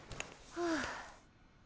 はあ。